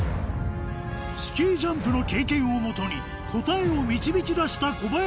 スキージャンプの経験を基に答えを導き出した小林陵侑